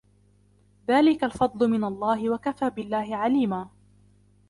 ذلك الفضل من الله وكفى بالله عليما